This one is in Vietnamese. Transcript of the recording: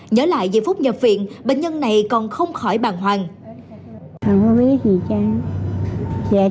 nhớ lại về phút nhập viện bệnh nhân này còn không khỏi bàn hoàng